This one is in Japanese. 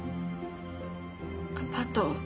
アパート